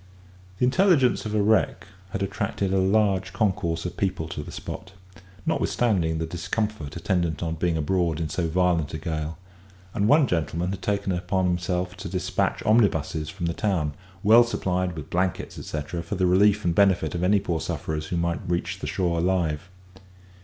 The intelligence of a wreck had attracted a large concourse of people to the spot, notwithstanding the discomfort attendant on being abroad in so violent a gale; and one gentleman had taken upon himself to despatch omnibuses from the town, well supplied with blankets, etcetera, for the relief and benefit of any poor sufferers who might reach the shore alive.